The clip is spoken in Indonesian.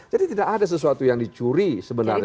jadi tidak ada sesuatu yang dicuri sebenarnya